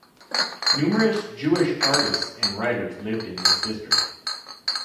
Numerous Jewish artists and writers lived in this district.